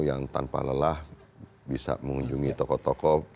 yang tanpa lelah bisa mengunjungi tokoh tokoh